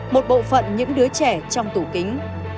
một bộ phận những đứa trẻ trong tủ kính